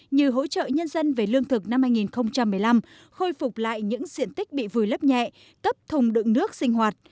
như hỗ trợ nhân dân về lương thực năm hai nghìn một mươi năm khôi phục lại những diện tích bị vùi lấp nhẹ cấp thùng đựng nước sinh hoạt